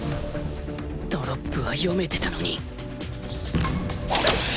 ドロップは読めてたのに